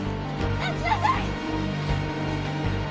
待ちなさい！